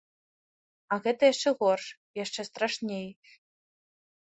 А гэта яшчэ горш, яшчэ страшней.